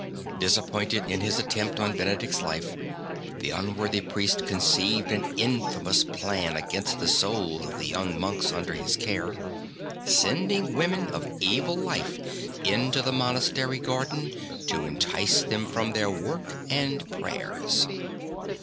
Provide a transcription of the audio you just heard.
Disappointed in his attempt on Benedict's life, the unworthy priest conceived an in famous plan against the souls of the young monks under his care, sending women of evil life into the monastery garden to entice them from their work and prayers.